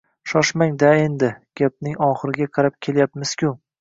– Shoshmang-da endi, gapning oxiriga qarab kelyapmiz-ku